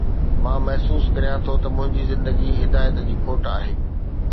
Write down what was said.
مان محسوس ڪريان ٿو ته منهنجي زندگي هدايت جي کوٽ آهي